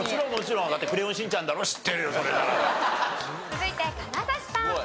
続いて金指さん。